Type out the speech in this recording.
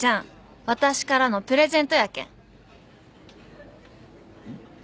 「私からのプレゼントやけん」